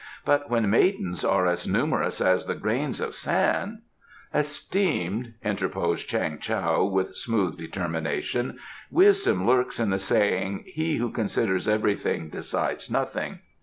But when maidens are as numerous as the grains of sand " "Esteemed," interposed Chang Tao, with smooth determination, "wisdom lurks in the saying: 'He who considers everything decides nothing.